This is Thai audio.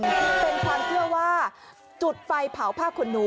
เป็นความเชื่อว่าจุดไฟเผาผ้าขนหนู